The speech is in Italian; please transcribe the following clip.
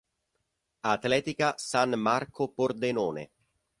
Atletica San Marco Pordenone.